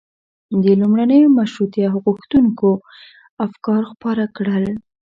د لومړنیو مشروطیه غوښتونکيو افکار خپاره کړل.